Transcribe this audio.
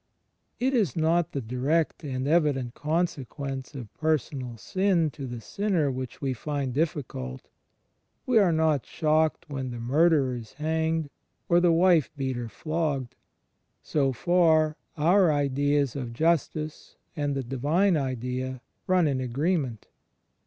It is not the direct and evident consequence of personal sin to the sinner which we find difficult; we are not shocked when the murderer is hanged or the wife beater flogged — so far, our ideas of justice and the Divine Idea run in agree ment.